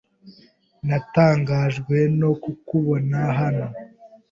Natangajwe no kukubona hano.